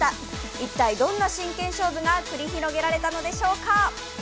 一体どんな真剣勝負が繰り広げられたんでしょうか。